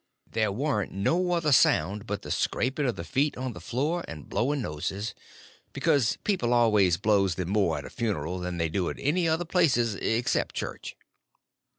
There warn't no other sound but the scraping of the feet on the floor and blowing noses—because people always blows them more at a funeral than they do at other places except church.